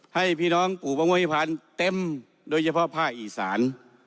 ให้พี่น้องปลูกมะม่วงหิมพานเต็มโดยเฉพาะผ้าอีสาน